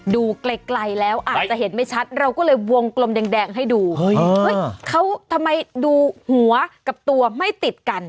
ดูไกลแล้วอาจจะเห็นไม่ชัดเราก็เลยวงกลมแดงให้ดูเฮ้ยเขาทำไมดูหัวกับตัวไม่ติดกัน